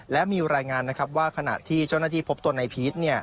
และมีรายงานนะครับว่าขณะที่เจ้าหน้าที่พบตัวนายพีช